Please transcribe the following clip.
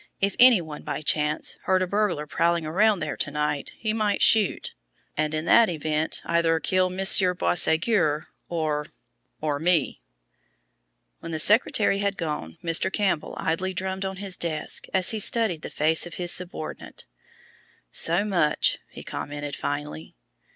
If any one, by chance, heard a burglar prowling around there to night he might shoot, and in that event either kill Monsieur Boisségur or or me!" When the secretary had gone Mr. Campbell idly drummed on his desk as he studied the face of his subordinate. "So much!" he commented finally.